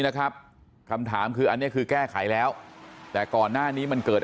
นะครับคำถามคืออันนี้คือแก้ไขแล้วแต่ก่อนหน้านี้มันเกิด